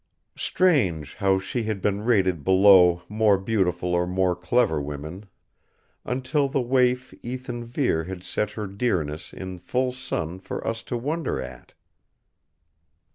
Strange, how she had been rated below more beautiful or more clever women until the waif Ethan Vere had set her dearness in full sun for us to wonder at!